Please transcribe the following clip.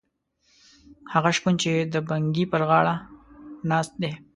هغه شپون چې د بنګي پر غاړه ناست دی.